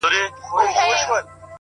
• په څپو او په موجونو کي ورکیږي ,